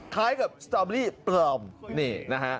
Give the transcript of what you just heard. คล้ายกับสตอเบอรี่ปลอมนี่นะฮะ